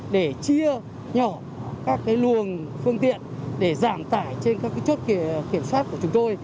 để chia nhỏ các luồng phương tiện để giảm tải trên các chốt kiểm soát của chúng tôi